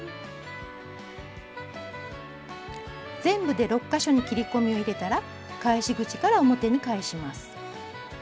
全部で６か所に切り込みを入れたら返し口から表に返します。